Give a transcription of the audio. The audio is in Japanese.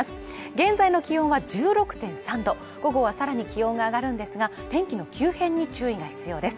現在の気温は１６．３度午後はさらに気温が上がるんですが天気の急変に注意が必要です。